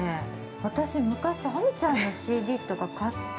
私、昔、亜美ちゃんのＣＤとか買って。